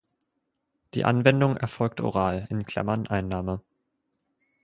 Die Anwendung erfolgt oral (Einnahme).